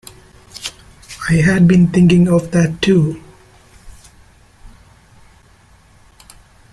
I had been thinking of that too.